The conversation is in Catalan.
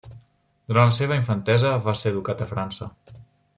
Durant la seva infantesa va ser educat a França.